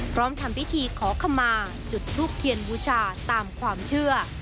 ทำพิธีขอขมาจุดทูบเทียนบูชาตามความเชื่อ